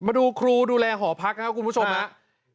มาดูครูดูแลหอพักนะครับคุณผู้ชมครับ